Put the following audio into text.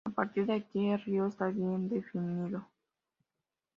A partir de aquí el río está bien definido.